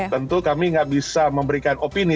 tentu kami tidak bisa memberikan opini